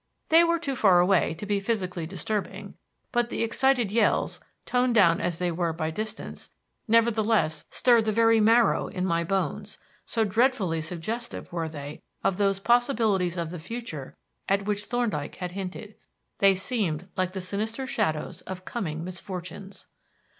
They were too far away to be physically disturbing, but the excited yells, toned down as they were by distance, nevertheless stirred the very marrow in my bones, so dreadfully suggestive were they of those possibilities of the future at which Thorndyke had hinted. They seemed like the sinister shadows of coming misfortunes.